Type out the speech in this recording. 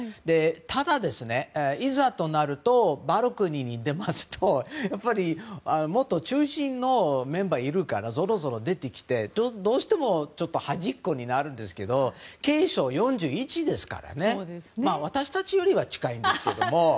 ただ、いざとなるとバルコニーに出ますともっと中心のメンバーがいるからぞろぞろ出てきてどうしてもはじっこになるんですが継承４１位ですから私たちよりは近いんですけど。